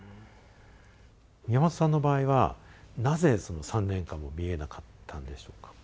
宮本さんの場合はなぜその３年間も見えなかったんでしょうか？